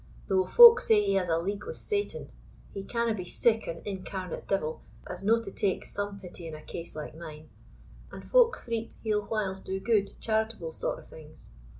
Though folk say he has a league wi' Satan, he canna be sic an incarnate devil as no to take some pity in a case like mine; and folk threep he'll whiles do good, charitable sort o' things.